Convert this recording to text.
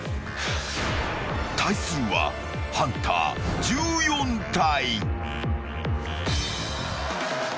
［対するはハンター１４体］